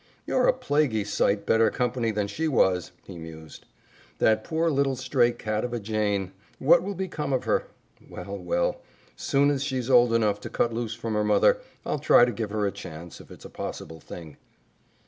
"You're a plaguey sight better company than she was," he mused. "That poor little stray cat of a Jane! What will become of her? Well, well! Soon as she's old enough to cut loose from her mother, I'll try to give her a chance, if it's a possible thing."